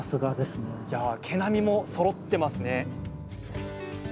毛並みもそろってますね。